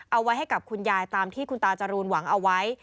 เอาไว้ให้กับคุณยายตามที่คุณตาจรูนหวังเอาไว้